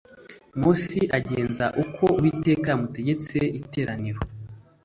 mose agenza uko uwiteka yamutegetse iteraniro